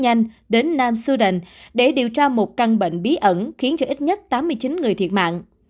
nhanh đến nam sudan để điều tra một căn bệnh bí ẩn khiến cho ít nhất tám mươi chín người thiệt mạng